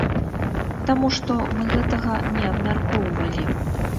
Таму што мы гэтага не абмяркоўвалі.